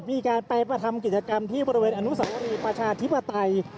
มีการไปทำกิจกรรมที่บริเวณอนุสาวรีประชาธิปไตย